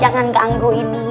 jangan ganggu ini